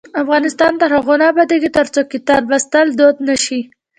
افغانستان تر هغو نه ابادیږي، ترڅو کتاب لوستل دود نشي.